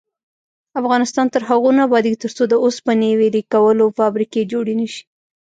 افغانستان تر هغو نه ابادیږي، ترڅو د اوسپنې ویلې کولو فابریکې جوړې نشي.